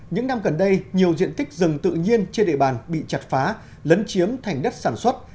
những năm gần đây nhiều diện tích rừng tự nhiên trên địa bàn bị chặt phá lấn chiếm thành đất sản xuất